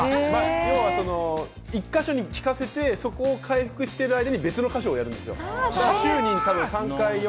要は１か所に効かせてそこを回復している間に別のか所をやるんですよ。